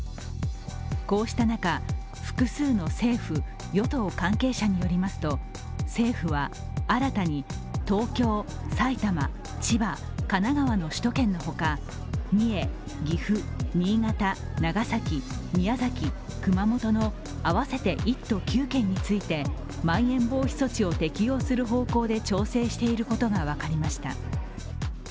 こうした中、複数の政府・与党関係者によりますと政府は、新たに東京、埼玉千葉、神奈川の首都圏のほか三重、岐阜、新潟、長崎、宮崎、熊本の合わせて１都９県についてまん延防止措置を適用する方向で調整していることが分かりました。